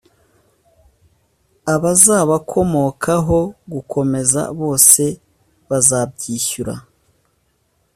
abazabakomokaho gukomeza bose bazabyishyura